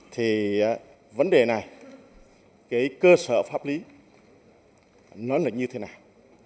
thì vấn đề này cái cơ sở pháp lý nó là như thế nào